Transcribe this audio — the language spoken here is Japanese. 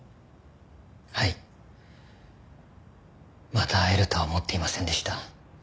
また会えるとは思っていませんでした。